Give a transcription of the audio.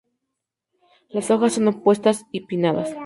Las hojas son opuestas y pinnadas.